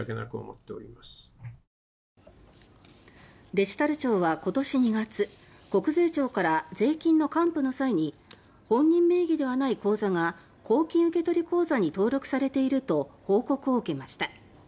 デジタル庁は今年２月国税庁から税金の還付の際に「本人名義ではない口座が公金受取口座に登録されている」と報告を受けました。